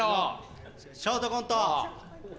ショートコント。